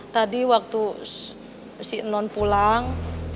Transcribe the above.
tadi waktu si non pulang